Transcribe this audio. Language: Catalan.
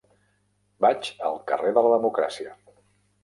Vaig al carrer de la Democràcia.